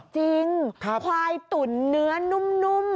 ควายตุ๋นเนื้อนุ่ม